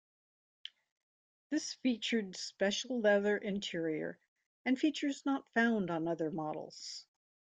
This featured special leather interior and features not found on other models.